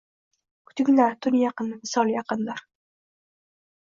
Kutinglar, tun yaqin – visol yaqindir